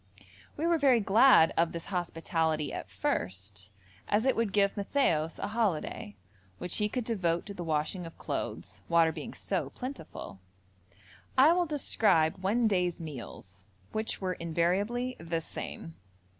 We were very glad of this hospitality at first as it would give Matthaios a holiday, which he could devote to the washing of clothes, water being so plentiful. I will describe one day's meals, which were invariably the same.